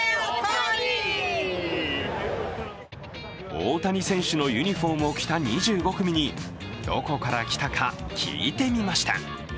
大谷選手のユニフォームを着た２５組にどこから来たか、聞いてみました。